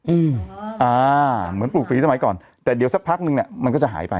อืมอ่าเหมือนปลูกฝีสมัยก่อนแต่เดี๋ยวสักพักหนึ่งเนี้ยมันก็จะหายไป